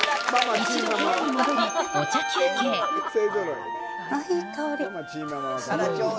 一度部屋に戻り、ああ、いい香り。